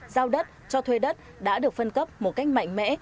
giao đất cho thuê đất đã được phân cấp một cách mạnh mẽ